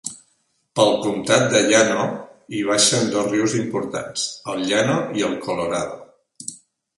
Pel comtat de Llano hi baixen dos rius importants, el Llano i el Colorado.